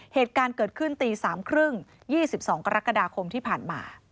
เหตุการณ์เกิดขึ้นตี๓๓๐๒๒กรกฎาคมที่ผ่านมา